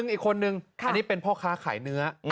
อีกคนนึงอันนี้เป็นพ่อค้าขายเนื้อ